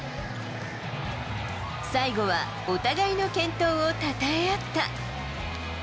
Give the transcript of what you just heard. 最後はお互いの健闘をたたえ合った。